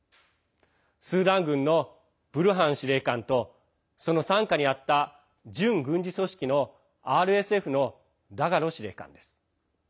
スーダン軍のブルハン司令官とその傘下にあった準軍事組織のＲＳＦのダガロ司令官です。